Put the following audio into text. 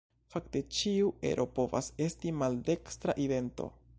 Fakte, ĉiu ero povas esti maldekstra idento.